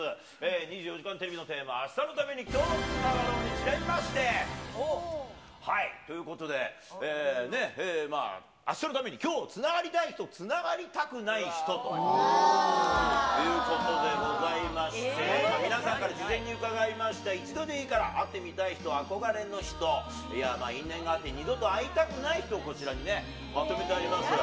２４時間テレビのテーマ、明日のために、今日つながろう。にちなみまして、ということで、明日のために今日つながりたい人、つながりたくない人ということでございまして、皆さんから事前に伺いました、一度でいいから会ってみたい人、憧れの人、因縁があって二度と会いたくない人、こちらにまとめてあります。